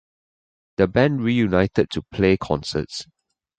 The band reunited to play concerts.